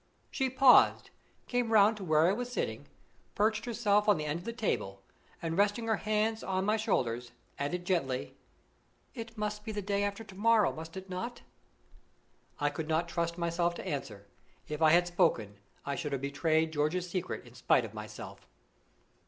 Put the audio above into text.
She paused, came round to where I was sitting, perched herself on the end of the table, and, resting her hands on my shoulders, added gently: "It must be the day after to morrow, must it not?" I could not trust myself to answer. If I had spoken, I should have betrayed George's secret in spite of myself.